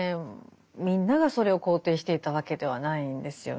みんながそれを肯定していたわけではないんですよね。